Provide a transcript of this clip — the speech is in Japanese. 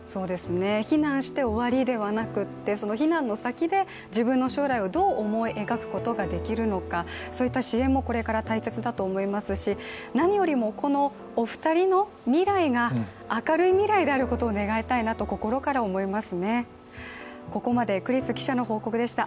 避難して終わりではなくて避難の先で、自分の将来をどう思い描くことができるのかそういった支援もこれから大切だと思いますし、何よりもこのお二人の未来が明るい未来であることを願いたいなとニュースを続けてお伝えします。